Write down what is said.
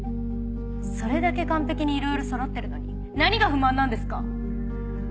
それだけ完璧にいろいろそろってるのに何が不満なんですか？